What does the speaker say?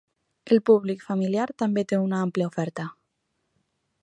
El públic familiar també té una àmplia oferta.